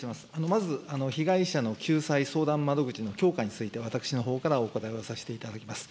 まず、被害者の救済相談窓口の強化について私のほうからお答えをさせていただきます。